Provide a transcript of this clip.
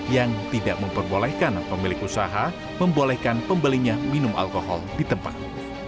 yang tidak memperbolehkan pemilik usaha membolehkan pembelinya minum alkohol di tempat